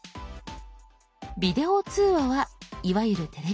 「ビデオ通話」はいわゆるテレビ電話。